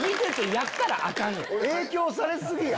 影響され過ぎや！